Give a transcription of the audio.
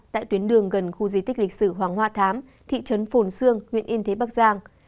tại tuyến đường gần khu di tích lịch sử hoàng hoa thám thị trấn phồn xương huyện yên thế bắc giang